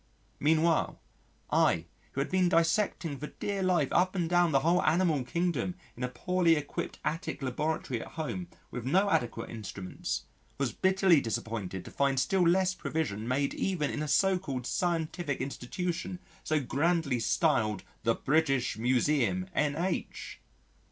Meanwhile, I who had been dissecting for dear life up and down the whole Animal Kingdom in a poorly equipped attic laboratory at home, with no adequate instruments, was bitterly disappointed to find still less provision made even in a so called Scientific Institution so grandly styled the British Museum (N.H.).